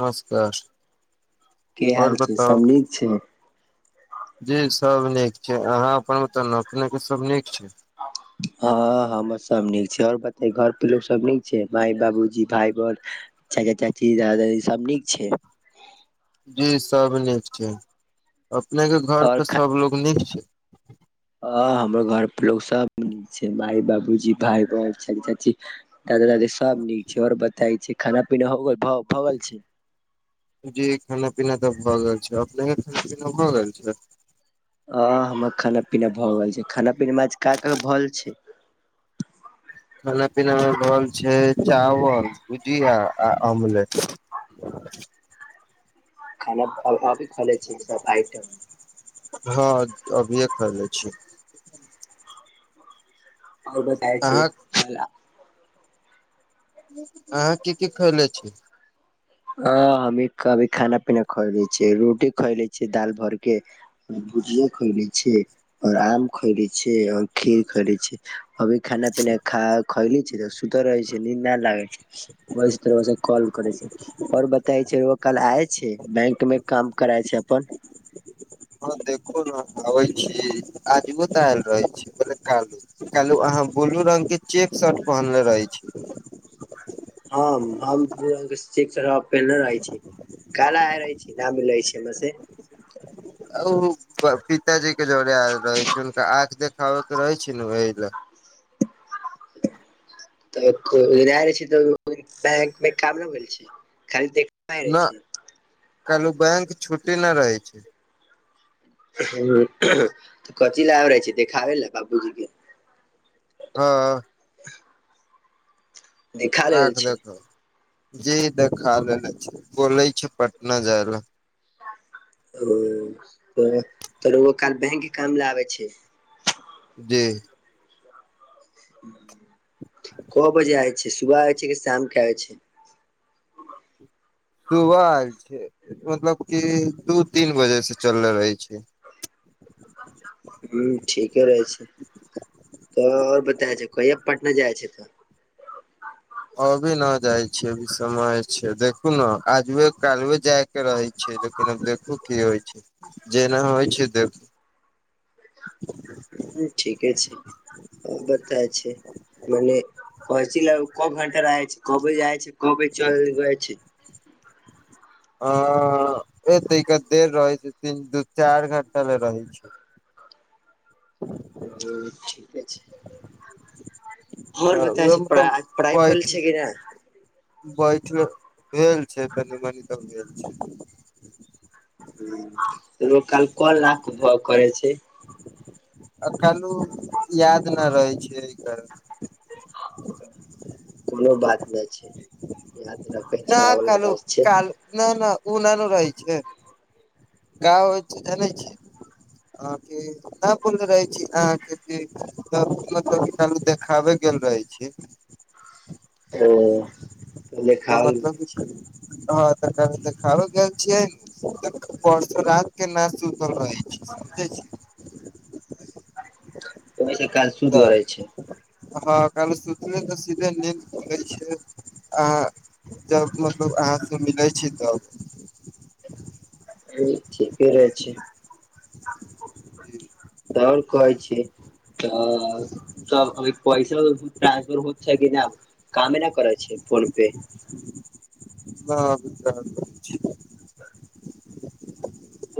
नमस्कार की आओर हाल छै। बताउ सब नीक छै। जी सब नीक छै अहाँ अपन बताउ नऽ अपने के सब नीक छै? हँ हमर सब नीक छै आओर बताे घर पे लोकोग सब नीक छै मााय बाबूजी भाय ब। चचा चाची दादा दादी सब नीक छै। जी सब नीक छै अपने के घर और के खा सब लोग नीक छै। हँ हमरो घर पर लोग सब नीक छै माय बाबूजी भाय बहिन चचा चाची। दादा दादी सब नीक छै आओर बताय छै खाना पीना हो भ-भ गेल छै। जी खाना पीना तऽ भए गेल छै अपने खाना पीना भए गेल छै। आ हमर खाना पीना भऽ गेल छै। खाना पीनामे आज का -क भल छै। खान पीनामे भेल छै चावल भुजिया आ ऑमलेट खाना अ-अभी खा लेय छियै सब आइटम हाँ अभीेये खै ले छी। आओर बताए छी अहाँ अहाँके की की खयले छी। हाँ हमी अभी खाना पीना खैले छियै रोटी खै ले छियै दाल भर के भुजिया खैले छियै आओर आम खैले छियै आओर खीर खै ले छियै अभी खाना पीना खा खइली छी सुत रहै छै नीन्दा लागे छै व तर कॉल करे छै आओर बताइ छै रोकल आय छै बैंक मे काम करै छै अपन हँ देखू ने आबै छी। आजो तऽ आयल रहै छै पहिले कालु कालु अहाँ ब्लू रंग के चेक शर्ट पहनले रहे छी हम हम सिकस पहिने रहे छी। काएला आय रहै छै ना मिलै छै हमरा से अ-ओ पिताजी के जरे आयल रहे छै। हुनका आँख देखाबे के रहे छै ने ओह लाए [inaudible] तऽ एको बेर आएल छै त बैंक मे काम नहि भेल छै खाली देख रहे न कालू बैंक छुटी न रहै छै। हूँ तऽ कथि ला आएल रहै छी देखाबै ला बाबुजी कें हाँ देखा लेल आँख छै देखा वै ला जी देखा वै ला जी बोले छै पटना जाय लऽ ओ त रौआ काल बैंक के काम ला आबै छै। जी। क बजे आय छै सुबह आब छै की शाम के आबे छै सुबह आयल छियै मतलब की दू तीन बजे से चलले रहै छियै हूँ ठीके रहै छै तऽ आओर बताए छै कहिया पटना जाइ छै तऽ अभी न जाइ छियै अभी समय छै देखू ने आजबे कालबे जायब के रहै छैै लेकिन आब देखू की होइ छै जेना होइ छै देखू ठीके छै ओ बता छै मने पहुँच ले के घण्टा रहै छै काए बजे जाइ छै क बजे भी चलि भी जाइ छी अं - अ-ए तऽ देर रहै छै तीन दू चारि घंटा ल रहै छै। हूँ हूँ ठीके छै। आओर तऽ बताब उह छी मतलब पढा-पढ़ाइ भेल छै कि नहि बैठले भेल छै तनी मनी तऽ भेल छै। हूँ लोको काल कल राख भ कर छै। अखालू याद कना रहै छै कल कोनो बात नहि छै याद राखै छै अगे बात छै ना ना उ नै-न रहै छै गाँव होय छै जानै छियै अहाँकेँ नऽ बोलले रहै छी अहाँकेँ मतलब कऽ चालू देखाबे गेल रहे छी [inaudible] ओ तऽ देखाबे गेल छी हँ तऽ कल देखाबे गेल छियै परसो रात के ना सु तल रहै छी सब समझै छिये ओही सँ काज शूरु करै छै हँ काल सूतले तऽ सीधे नींद खुलै छै अहाँ जब मतलब अहाँ से मिलै छी तब ठीके रहै छै तऽ आओर कहै छी तऽ तऽ अभी पैसा ट्रन्सफर होत छै कि नऽ कामे नऽ करै छी [unintelligible]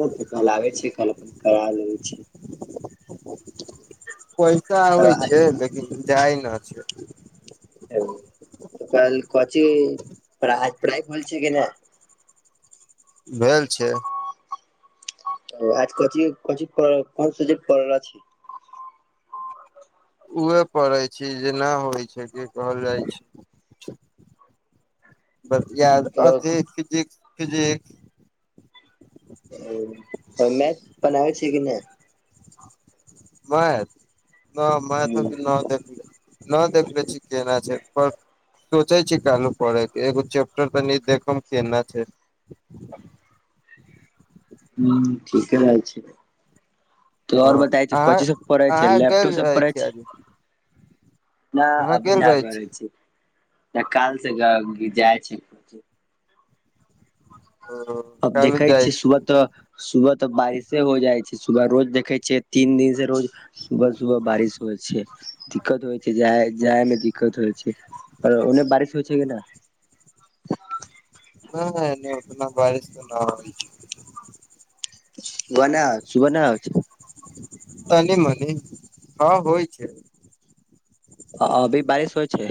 ओ तऽ कल आबै छै कल अपन करा लेबै छिये पैसा होइ छै लेकिन जाइ नऽ छै एगो तऽ कल कची पढ़ाय - पढ़ाय करै छिये की ना भेल छै ओ आज कथि कोन चीज करऽ कोन सब्जेक्ट करऽ बला छी उहे पढ़ै छी जे नऽ होइ छै की कहल जाइ छै बस याद अथि फिजिक्स - फिजिक्स ओ तब मैथ बनाबै छिय कि नय मैथ नऽ मैथ नहि अभी नऽ देख लू नऽ देखले छी केना छै पर सोचै छी चालू करे केँ एगो चेप्टर तनी देखम केना छै हुँ ठीके रहल छै तऽ हँ आओर बताय छै अहाँ कथि सब पढ़ै छिये अहाँ गेल लैपटॉप सँ रहै पढ़ै छी आज ना अहाँ अभी गेल ना रहै करै छी तऽ काल से जाए छी ओ अब कालू देखै जाइ छियै छी सुबह तऽ सुबह तऽ बारिसे हो जाइ छै सुबह रोज देखै छियै तीन दिन से रोज सुबह - सुबह बारिश होइ छै दिक्कत होइ छै जा जायमे दिक्कत होइ छै आरो ओने बारिश होइ छै की नऽ नाय एने ओतना बारिस तऽ नऽ होइ छै सुहन ना सुबह नय हो छै तनी मनी हँ होइ छै आ अभी बारिश होइ छै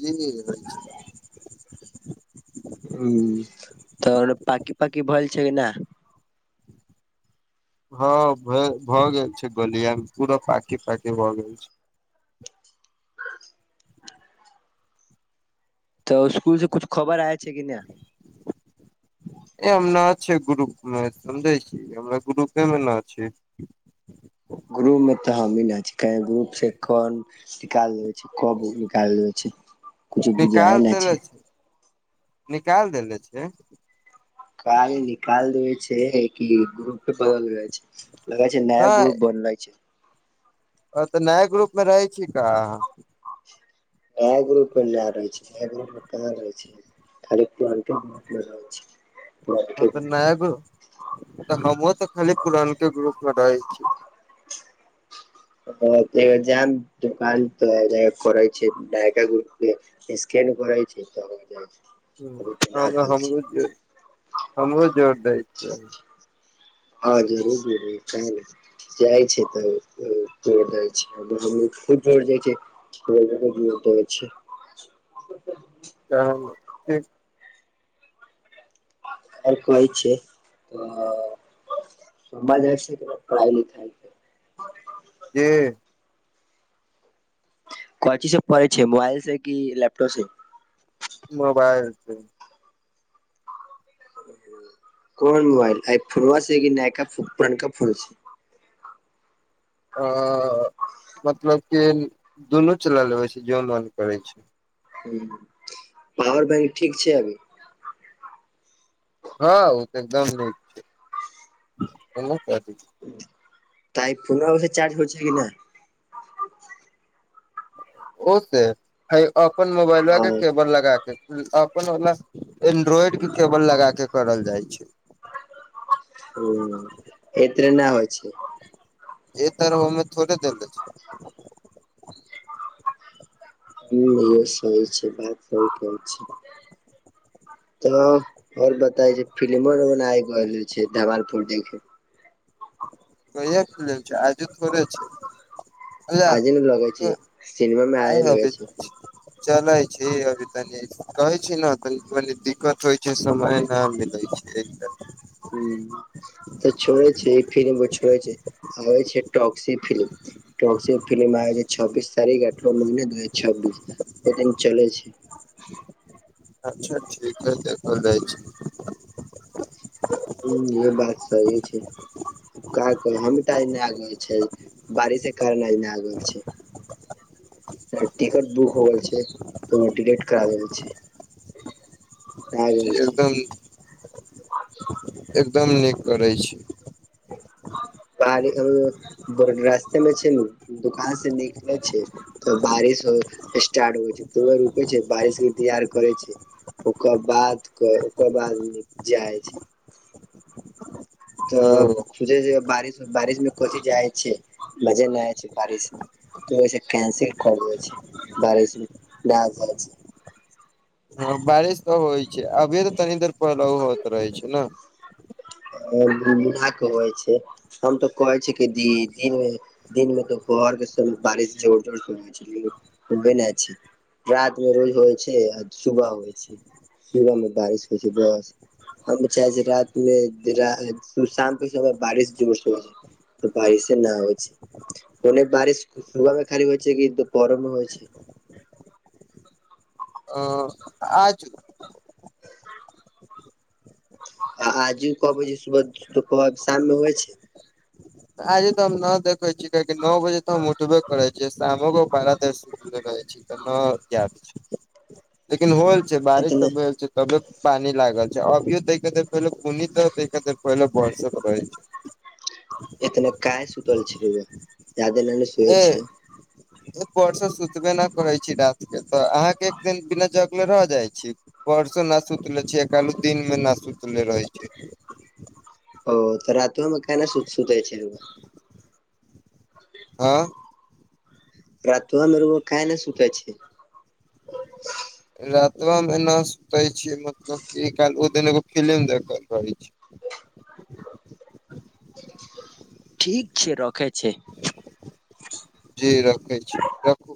जी होइ छै उ तऽ र पाकी - पाकी भेल छै की नऽ हँ भए भऽ गेल छै गोलिया मे पूरा पाकी - पाकी भऽ गेल छै तऽ इसकुल सँ कुछ खबर आय छै कि नऽ [inaudible] ए हम नऽ छै ग्रुप मे समझै छी हमरा ग्रुपे मऽ नऽ छी ग्रुप मे तऽ हमी नऽ छी कहे ग्रुप से कोन निकाल दे कब निकाल देबै छै कछु निकाल बुझाय नऽ देले छै निकाल देेले छै काज निकाल देेलैय छैय, कि ग्रुपे बदलैय छैय। लागैय छैय नया नहि ग्रुप बनैलय छैय। आ तऽ नया ग्रुप में रहै छी का। उहैय ग्रुप नैय रहै छियै, नया ग्रुप में कहां रहैय छियै। खाली पुरनके ग्रुप मे रहे छैय हं तऽ नया ग्रुप हमहुं तऽ खाली पुरान के ग्रुप मऽ रहै छी हँ तऽ जााम द काल तऽ करै छैाय नैयका ग्रुप मे स्केन करै छै तऽ हो जाइ छै अभी तऽ ना हू भेल छै हमरो जो हमरो जोर दै छिय हँ जोरू जोरू काहे नऽ जाइ छै तऽ जड़ जाइ छै खूब भर जाइ छै [unintelligible] छै तहन ठीक आओर कहे छै तऽ हमर जाइ छियै, पढ़ाई लिखाई। के कथी से पढ़ैय छियै, मोबाइल से कि लैपटॉप से। मोबाइल से। कोन मोबाइल आइ फोनबा छियै, कि नैयका फो पुरनका फोन छै अऽ मतलब कि दुनू चलैय लैबैय छियै, जे मोन करैय छैय। हूँ पावर बैंक ठीक छैय, अभी। हँ उ ते एकदम नीक छैय, बहुत अधिक। टाआइ फोनबा ओर से चार्ज हो छैय कि नैइ। ओ सेट अइ अपन मोबैलबा के हँ केबल लगाके। आपन वला एंड्रॉइड के केबल लगाके करल जाइ छैय। ओ एतरे नहि होइ छै ए तरोअमे थोड़े देल जाइ छैय। हू इहो सही छै बात सही कहे छी तब और बताइये फिल्मो और बनाएल गेल छैय देवाल पर देखेय। कहिया कऽ लेल छै आजु कर थोरे छै आजे ने लगे छै सिनेमा मे आजे लगे छै [unintelligible] चले छी अभी तनी कहै छी ने तनि कनी दिक्कत होइ छै कि समय नैइ मिलैइ छैय तऽ हूँ तऽ छोड़ेय छैय, ई फिलीम ओ छोड़ेय छैय, आ होइ छैय टॉक्सी फिलीम। टॉक्सी फिलीम आय छैय, छब्बीस तारीख अठवाँ महिना दू हजार छब्बीस ओ दिन चलैय छैय। अच्छा ठीके देखल जाय छैय। हूँ इहो बात सही छैय। का कहे हम तऽ ऐय नहा लेले छल बारिश के कारण आय नहा लेने छल तोहर टिकट बुक हो गेल छैय, तोहर टिकट करा देल छैय। भैय गेल छै छैय। एकदम एकदम नीक करैय छिय। ब रास्ते मे छै नु दुकान से निकलै छै तऽ बारिश स्टार्ट होइ छैइ, थोडा़ रुकैय छैइ बारिश इंतजार करैय छैय। ओकर बाद ओकर बाद जाइ छै ओ तऽ जे-जे बारिश -बारिश मे कोची जाइ छैइ, मजे नैय आइय छैइ, बारिश में। तऽ कंसेल कर ब नहि जा [unintelligible] हँ बारिश तऽ होइ छैइ, अभी तऽ तनी देर पहिले होअत रहैय छैइ न अ घुन-घुना के होइ छैइ। हम तो कहे छी कि दी दिन मे दिन मे तो पोहर के बारिश जोर जोर शुर [unintelligible] ओ धेनैय छैइ, रात मे रोज होइ छैइ, आ सुबह होइ छैइ। सुबह मे बारिश होइ छैइ, बस हम चाहैय छियै, रात मे [unintelligible] तऽ बारिसे न होइ छै बोले बारिश सुबह मे खाली होइ छैइ, कि दुपहरो मे होइ छैइ। आ आजू। आ आजु कह बज सुबह कह शाममे होइ छै [unintelligible] आजे तऽ हम नओ देखैय छी कियाकि नओ बजे तऽ हम उठबे करैय छियै शामो गो पारा दस तु त कहैय छही नओ [unintelligible] लेकिन होल बारिश एतने सब भेल छैय तबे त पानी लागल छैय अभियो तैके देर पहिले खुनयो त पहिले बरसैत रहैय छैय। इतने काहे सुतल छलैय ज्यादे लय नै सेहे छैय। [inaudible] एक परस सुतबे नै करैय छी राति के तऽ अहाँके एक दिन बिना जगले रह जाइ छी। परसु ना सुतले छिय कालो दिन मे ना सुतले रहैय छी ओ तऽ रातिमे कैना नै सुतैय छै ओ ह रातोवामे रौआ काहे नै सुतैय छी [unintelligible] रातबा मे न सुते छीय मतलब कि ओकाल ओ दिन एगो फिलिम देख रहैय छी। [unintelligible] ठीक छैय रखैय छी। जी रखय छी रखु